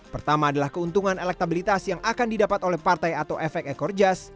pertama adalah keuntungan elektabilitas yang akan didapat oleh partai atau efek ekor jas